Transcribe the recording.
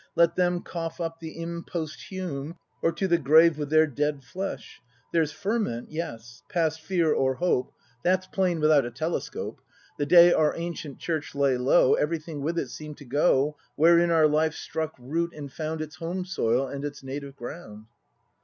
Let them cough up the imposthume, Or to the grave with their dead flesh! There's ferment, yes; past fear or hope, ACT V] BRAND 223 That's plain without a telescope. The day our ancient Church lay low, Everything with it seem'd to go Wherein our life struck root and found Its home soil and its native ground.